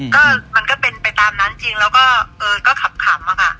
ก็มันก็เป็นไปตามนั้นจริงแล้วก็เออก็ขำอะค่ะ